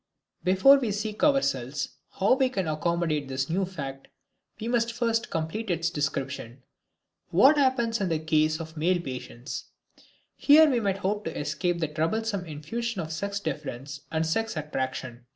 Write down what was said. Before we ask ourselves how we can accommodate this new fact, we must first complete its description. What happens in the case of male patients? Here we might hope to escape the troublesome infusion of sex difference and sex attraction.